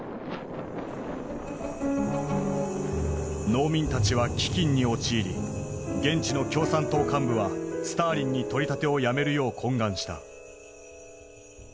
農民たちは飢饉に陥り現地の共産党幹部はスターリンに取り立てをやめるよう懇願した。